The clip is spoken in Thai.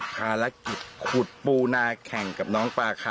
ปลาคอัพ